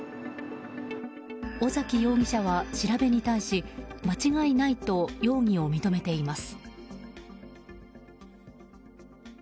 尾崎容疑者は調べに対し間違いないと容疑を認めています。